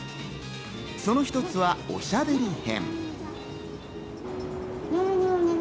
その一つはおしゃべり編。